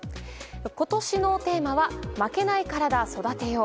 今年のテーマは「負けないカラダ、育てよう」。